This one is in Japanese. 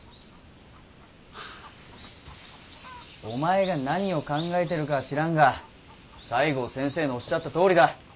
お前が何を考えてるかは知らんが西郷先生のおっしゃったとおりだ。